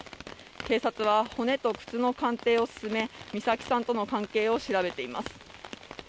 警察は、骨と靴の鑑定を進め、美咲さんとの関係を調べています。